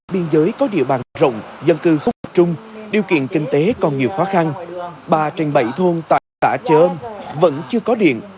biên giới có địa bàn rộng dân cư khúc trung điều kiện kinh tế còn nhiều khó khăn bà trên bẫy thôn tả chơm vẫn chưa có điện